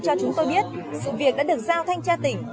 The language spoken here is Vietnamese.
cho chúng tôi biết sự việc đã được giao thanh tra tỉnh